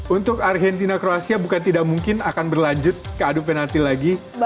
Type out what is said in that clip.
untuk argentina kroasia bukan tidak mungkin akan berlanjut ke adu penalti lagi